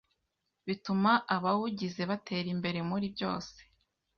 bituma abawugize batera imbere muri byose